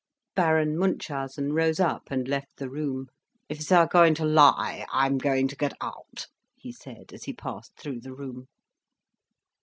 Baron Munchausen rose up and left the room. "If they're going to lie I'm going to get out," he said, as he passed through the room.